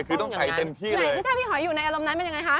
คือต้องใส่เต็มที่ไหนที่ถ้าพี่หอยอยู่ในอารมณ์นั้นเป็นยังไงคะ